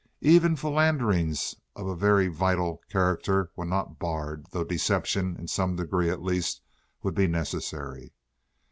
Even philanderings of a very vital character were not barred, though deception, in some degree at least, would be necessary.